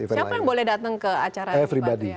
siapa yang boleh datang ke acara ini pak